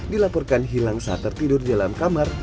dilaporkan hilang saat tertidur di dalam kamar